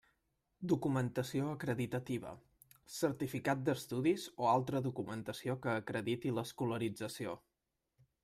Documentació acreditativa: certificat d'estudis o altra documentació que acrediti l'escolarització.